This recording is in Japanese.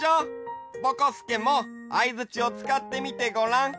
ぼこすけもあいづちをつかってみてごらん！